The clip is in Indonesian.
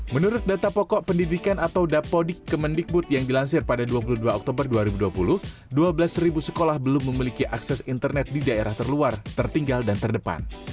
menurut data pokok pendidikan atau dapodik kemendikbud yang dilansir pada dua puluh dua oktober dua ribu dua puluh dua belas sekolah belum memiliki akses internet di daerah terluar tertinggal dan terdepan